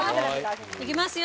行きますよ